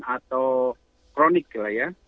atau kronik lah ya